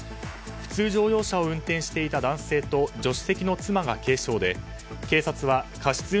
普通乗用車を運転していた男性と助手席の妻が軽傷で、警察は過失